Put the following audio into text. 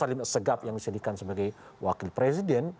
salim segaf yang dijadikan sebagai wakil presiden